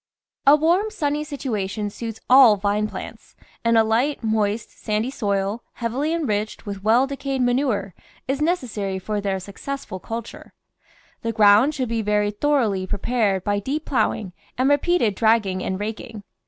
A warm, sunny situation suits all vine plants, and a light, moist, sandy soil, heavily enriched with VINE VEGETABLES AND FRUITS well decayed manure, is necessary for their success ful culture. The ground should be very thoroughly pre pared by deep ploughing and repeated dragging and raking.